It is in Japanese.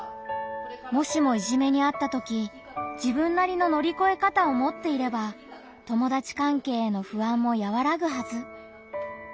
もしもいじめにあったとき自分なりの乗り越え方を持っていれば友達関係への不安もやわらぐはず。